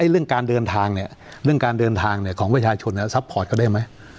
เรื่องการเดินทางเนี่ยเรื่องการเดินทางของประชาชนซัพพอร์ตเขาได้ไหม